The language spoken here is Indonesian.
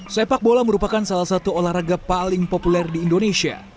sepak bola merupakan salah satu olahraga paling populer di indonesia